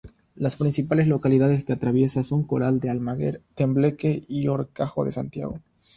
Las principales localidades que atraviesa son Corral de Almaguer, Tembleque y Horcajo de Santiago.